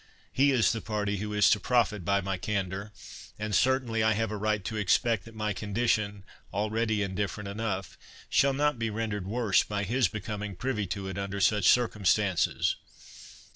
He is the party who is to profit by my candour; and certainly I have a right to expect that my condition, already indifferent enough, shall not be rendered worse by his becoming privy to it under such circumstances.